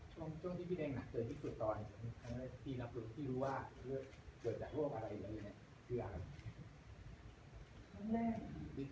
ตรงที่พี่แดงหนักเจนที่สุดตอนมีรับรู้ที่รู้ว่าเกิดจากโรคอะไรอีกแล้วเนี้ยคืออะไร